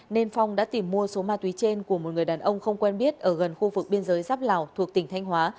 nên phong đã tìm mua số ma túy trên của một người đàn ông không quen biết ở gần khu vực biên giới giáp lào thuộc tỉnh thanh hóa